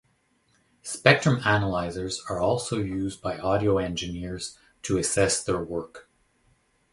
Spectrum analyzers are also used by audio engineers to assess their work.